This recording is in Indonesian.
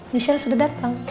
michelle sudah datang